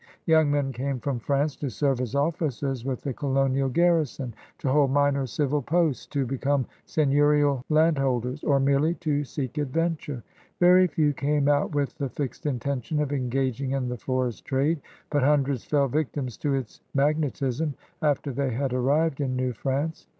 Young men came from France to serve as officers with the colonial garrison, to hold minor civil posts, to become seigneurial landholders, or merely to seek adventure. Very few came out with the fixed intention of engaging in the forest trade; but hundreds fell victims to its magnetism after they had arrived in New France.